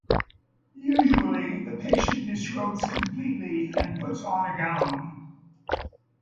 Usually, the patient disrobes completely and puts on a gown.